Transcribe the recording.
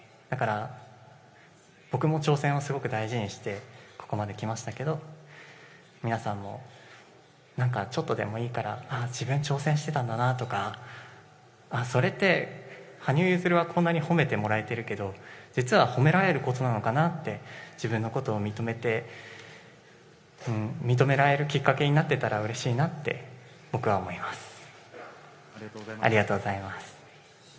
だから僕も挑戦をすごく大事にしてここまで来ましたけれども、皆さんも何かちょっとでもいいから、自分、挑戦していたんだなとか、それって羽生結弦はこんなに褒めてもらえてるけど実は褒められることなのかなって、自分のことを認められるきっかけになっていたらうれしいなって僕は思います。